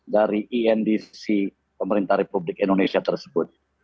dari indc pemerintah republik indonesia tersebut